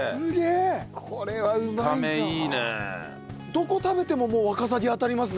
どこ食べてももうワカサギ当たりますね。